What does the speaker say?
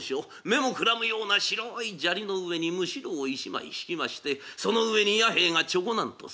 目もくらむような白い砂利の上にむしろを１枚敷きましてその上に弥兵衛がちょこなんと座っております。